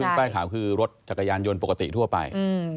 ป้ายขาวคือรถจักรยานยนต์ปกติทั่วไป